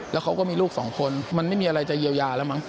แล้วเขาก็มีลูกสองคนมันไม่มีอะไรจะเยียวยาแล้วมั้ง